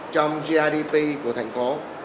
trong grdp của thành phố